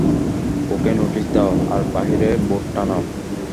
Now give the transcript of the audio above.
ওকে notice দাও, আর বাহিরে বোর্ড টানাও।